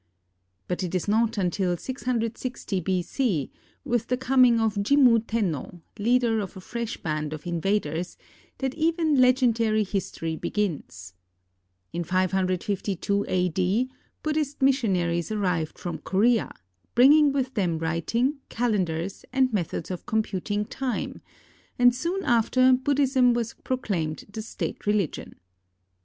But it is not until 660 B.C., with the coming of Jimmu Tenno, leader of a fresh band of invaders, that even legendary his tory begins. In 552 a.d. Buddhist missionaries arrived from Korea, bringing with them writing, calendars, and methods of computing time; and soon after Buddhism was proclaimed the state religion.